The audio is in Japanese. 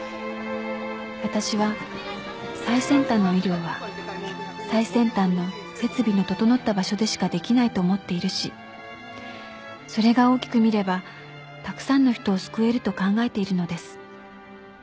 わたしは最先端の医療は最先端の設備の整った場所でしかできないと思っているしそれが大きく見ればたくさんの人を救えると考えているのです。